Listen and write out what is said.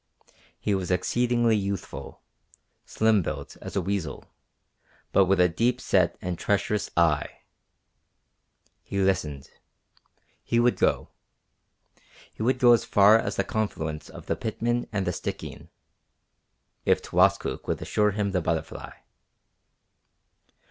He was exceedingly youthful, slim built as a weazel, but with a deep set and treacherous eye. He listened. He would go. He would go as far as the confluence of the Pitman and the Stikine, if Towaskook would assure him the Butterfly.